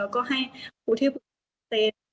แล้วก็ให้ครูที่ปกครองเซ็น